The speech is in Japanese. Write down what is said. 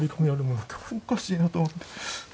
おかしいなと思って。